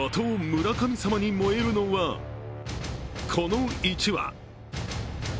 村神様に燃えるのはこの一羽。